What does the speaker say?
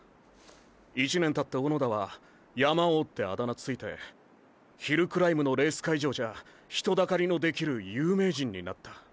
一年たって小野田は「山王」ってアダ名ついてヒルクライムのレース会場じゃ人だかりのできる有名人になった。